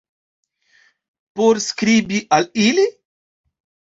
Por skribi al ili?